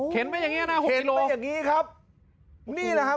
ขนไปอย่างนี้ละนะ๖กิโล